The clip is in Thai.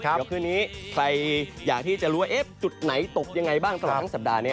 เดี๋ยวคืนนี้ใครอยากที่จะรู้ว่าจุดไหนตกยังไงบ้างตลอดทั้งสัปดาห์นี้